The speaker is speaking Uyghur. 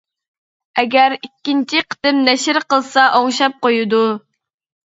ئەگەر ئىككىنچى قېتىم نەشر قىلسا ئوڭشاپ قويىدۇ.